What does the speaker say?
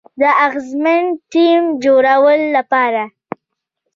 د اغیزمن ټیم جوړولو لپاره